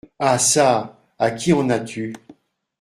Ah ça ! à qui en as-tu ?